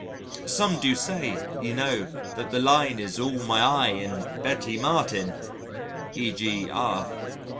"Some do say, you know, that the Line is 'all my eye and Betty Martin,' e.g., R